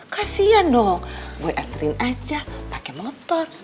kasian dong boy antriin aja pakai motor